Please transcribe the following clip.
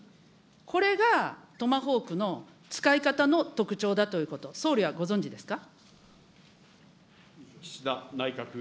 これがトマホークの使い方の特徴だということ、総理はご存じですか。